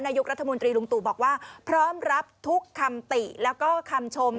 นายกรัฐมนตรีลุงตู่บอกว่าพร้อมรับทุกคำติแล้วก็คำชม